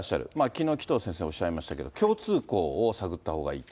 きのう、紀藤先生おっしゃいましたけれども、共通項を探ったほうがいい。